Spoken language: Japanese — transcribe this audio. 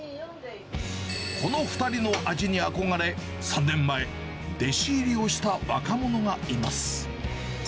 この２人の味に憧れ、３年前、弟子入りをした若者がいます。